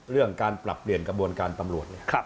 เรื่องการปรับเปลี่ยนกระบวนการตำรวจเนี่ย